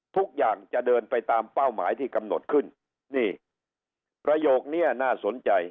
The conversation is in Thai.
ทุกอย่างจะเดินไปตามเป้าหมายที่กำหนดขึ้นนี่ประโยคนี้น่าสนใจ